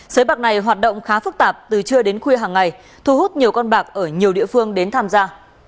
sới bạc này hoạt động khá phức tạp từ trưa đến khuya hàng ngày thu hút nhiều con bạc ở nhiều địa phương đến tham gia